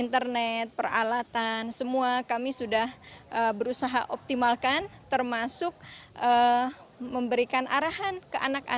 nah untuk persiapannya baik untuk persiapan kapasitasnya